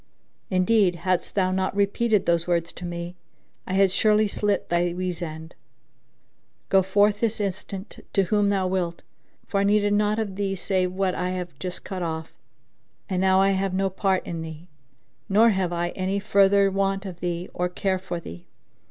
Indeed, haddest thou not repeated those words to me, I had surely slit thy weasand. Go forth this instant to whom thou wilt, for I needed naught of thee save what I have just cut off; and now I have no part in thee, nor have I any further want of thee or care for thee.